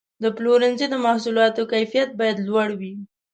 د پلورنځي د محصولاتو کیفیت باید لوړ وي.